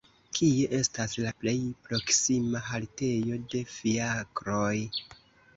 Kie estas la plej proksima haltejo de fiakroj!